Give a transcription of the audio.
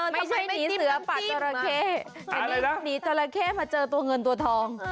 ไม่ใช่หนีเสือปัดตัวระเข้หนีตัวระเข้มาเจอตัวเงินตัวทอง